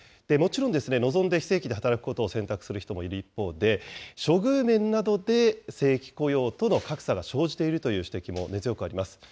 もちろん望んで非正規で働くことを選択する人がいる一方で、処遇面などで正規雇用との格差が生じているという指摘も根強くあります。